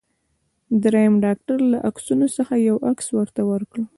دریم ډاکټر له عکسو څخه یو عکس ورته ورکړ.